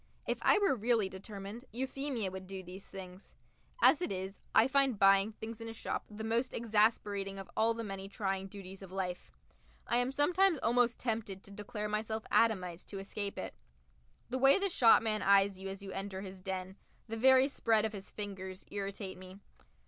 If I were really determined, Euphemia would do these things. As it is, I find buying things in a shop the most exasperating of all the many trying duties of life. I am sometimes almost tempted to declare myself Adamite to escape it. The way the shopman eyes you as you enter his den, the very spread of his fingers, irritate me.